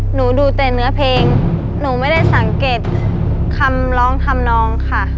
หนูดูแต่เนื้อเพลงหนูไม่ได้สังเกตคำร้องทำนองค่ะ